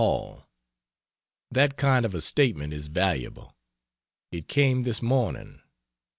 HALL, That kind of a statement is valuable. It came this morning.